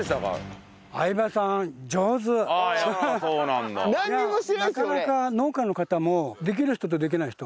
なかなか農家の方もできる人とできない人。